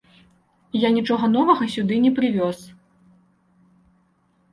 Я нічога новага сюды не прывёз.